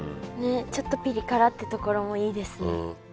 ちょっとピリ辛ってところもいいですね。